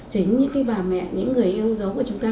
chính những bà mẹ những người yêu dấu của chúng ta